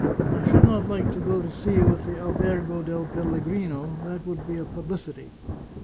I should not like to go to see you at the Albergo del Pellegrino ; that would be a publicity.